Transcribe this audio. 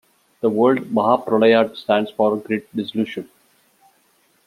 The word Mahapralaya stands for "Great Dissolution".